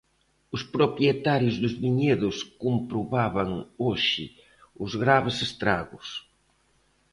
Os propietarios dos viñedos comprobaban hoxe os graves estragos.